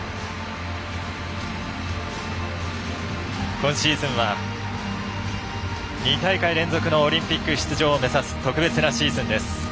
今シーズンは２大会連続のオリンピック出場を目指す特別なシーズンです。